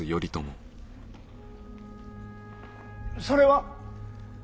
それは？